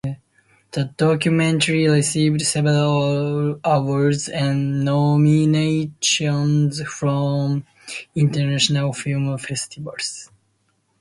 The documentary received several awards and nominations from international film festivals.